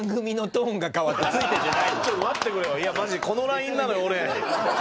このラインなのよ俺。